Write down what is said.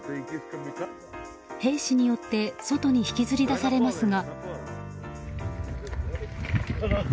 兵士によって外に引きずり出されますが。